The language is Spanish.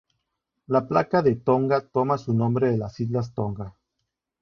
La placa de Tonga toma su nombre de las Islas Tonga.